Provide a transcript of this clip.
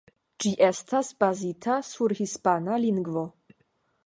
Ĝi estas bazita sur hispana lingvo.